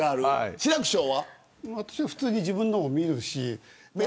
私は普通に自分のも見るし。